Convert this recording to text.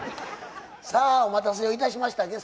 さあお待たせをいたしました